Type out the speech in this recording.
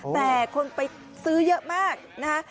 แต่คนไปซื้อเยอะมากนะคะ